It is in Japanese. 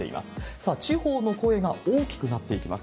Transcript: さあ、地方の声が大きくなっていきます。